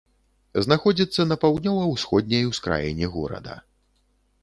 Знаходзіцца на паўднёва-ўсходняй ускраіне горада.